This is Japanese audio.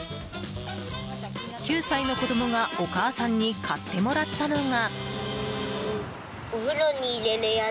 ９歳の子供が、お母さんに買ってもらったのが。